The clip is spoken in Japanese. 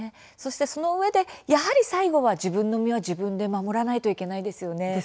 そしてそのうえでやはり最後は自分の身は自分で守らないといけないですよね。